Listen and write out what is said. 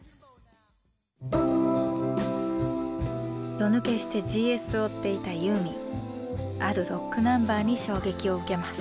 夜脱けしてＧＳを追っていたユーミンあるロックナンバーに衝撃を受けます。